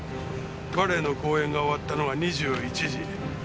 バレエの公演が終わったのが２１時。